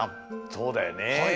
そうだよね。